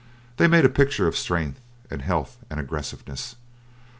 They made a picture of strength and health and aggressiveness.